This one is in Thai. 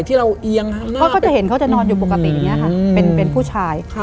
เขาก็จะเห็นเขาจะนอนอยู่ปกติอย่างนี้ค่ะเป็นผู้ชาย